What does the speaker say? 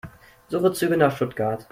Suche Züge nach Stuttgart.